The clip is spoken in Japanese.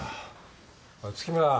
おい月村。